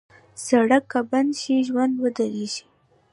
سړک که بند شي، ژوند ودریږي.